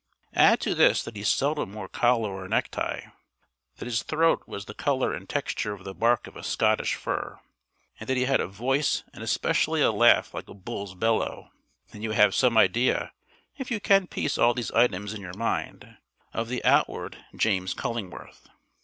Add to this that he seldom wore collar or necktie, that his throat was the colour and texture of the bark of a Scotch fir, and that he had a voice and especially a laugh like a bull's bellow. Then you have some idea (if you can piece all these items in your mind) of the outward James Cullingworth.